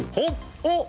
おっ！